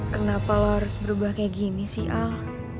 kenapa lo harus berubah kayak gini sih al